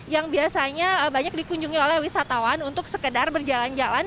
yang biasanya banyak dikunjungi oleh wisatawan untuk sekedar berjalan jalan